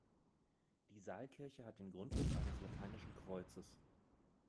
Die Saalkirche hat den Grundriss eines lateinischen Kreuzes.